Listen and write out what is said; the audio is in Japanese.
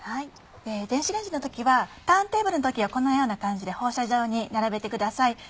電子レンジの時はターンテーブルの時はこのような感じで放射状に並べてください。